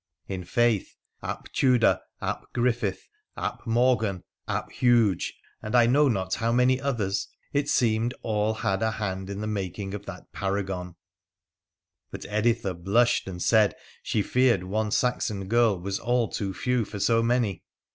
In faith — ap Tudor, ap Griffith, ap Morgan, ap Huge, and I know not how many others, it seemed all had a hand in the making of that paragon — but Editha blushed and said she feared one Saxon girl was all too few for so many.